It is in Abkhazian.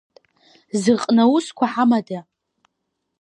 Зыҟны аусқәа ҳамада?